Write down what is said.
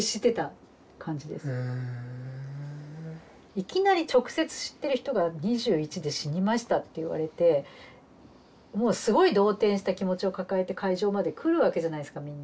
いきなり直接知ってる人が２１で死にましたって言われてもうすごい動転した気持ちを抱えて会場まで来るわけじゃないですかみんな。